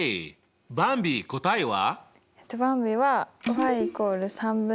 ばんび答えは？